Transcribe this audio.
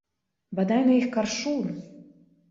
Бадай на іх каршун!